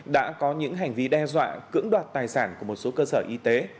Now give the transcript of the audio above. đã có những hành vi đe dọa cưỡng đoạt tài sản của một số cơ sở y tế